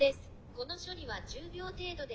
この処理は１０秒程度で」。